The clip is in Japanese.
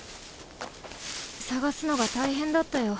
捜すのが大変だったよ。